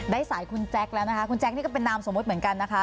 ได้สายคุณแจ๊คแล้วนะคะคุณแจ๊คนี่ก็เป็นนามสมมุติเหมือนกันนะคะ